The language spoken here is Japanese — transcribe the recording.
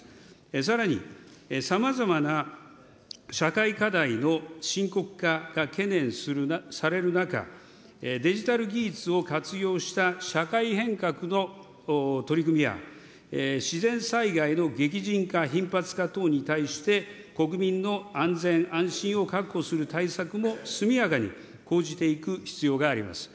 さらにさまざまな社会課題の深刻化が懸念される中、デジタル技術を活用した社会変革の取り組みや、自然災害の激甚化、頻発化等に対して、国民の安全安心を確保する対策も速やかに講じていく必要があります。